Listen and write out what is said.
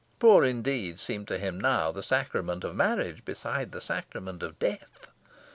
Poor indeed seemed to him now the sacrament of marriage beside the sacrament of death.